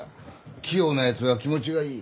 器用なやつは気持ちがいい。